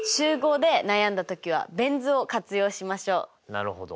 なるほど！